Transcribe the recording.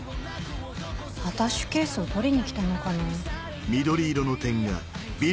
アタッシュケースを取りに来たのかな？